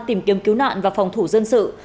tìm kiếm cứu nạn và phòng thủ dân sự